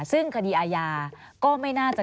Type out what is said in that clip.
ซึ่งคดีอาญาก็ไม่น่าจะ